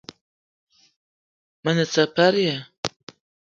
Me ne saparia !